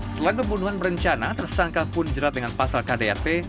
setelah pembunuhan berencana tersangka pun jerat dengan pasal kdrp